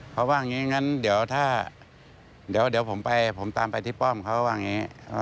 เขาว่าอย่างนี้งั้นเดี๋ยวถ้าเดี๋ยวผมตามไปที่ป้อมเขาว่าอย่างนี้